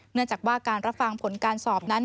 เนื่องจากว่าการรับฟังผลการสอบนั้น